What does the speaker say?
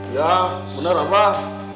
ya bener mbak